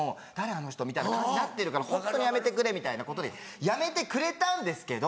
あの人」みたいな感じになってるからホントやめてくれみたいなことでやめてくれたんですけど。